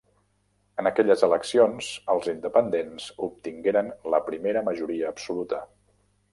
En aquelles eleccions els Independents obtingueren la primera majoria absoluta.